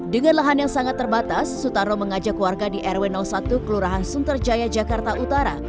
dengan lahan yang sangat terbatas sutarro mengajak warga di rw satu kelurahan sunterjaya jakarta utara